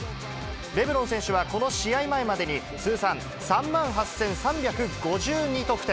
レブロン選手はこの試合前までに、通算３万８３５２得点。